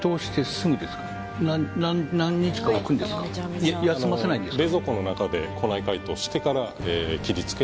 まああの休ませないんですか？